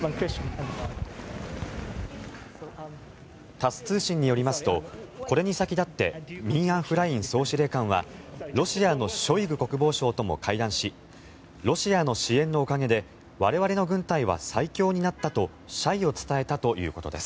タス通信によりますとこれに先立ってミン・アウン・フライン総司令官はロシアのショイグ国防相とも会談しロシアの支援のおかげで我々の軍隊は最強になったと謝意を伝えたということです。